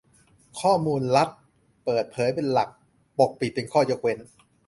ข้อมูลรัฐ : เปิดเผยเป็นหลัก ปกปิดเป็นข้อยกเว้น